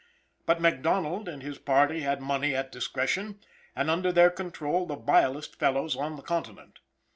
But McDonald and his party had money at discretion, and under their control the vilest fellows on the continent.